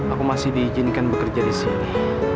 aku masih diizinkan bekerja di sini